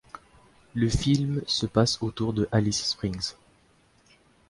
Le film se passe autour de Alice Springs.